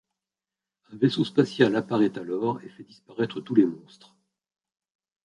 Un vaisseau spatial apparaît alors et fait disparaître tous les monstres.